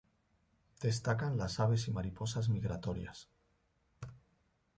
Destacan las aves y mariposas migratorias.